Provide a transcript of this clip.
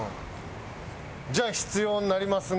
じゃあ必要になりますね。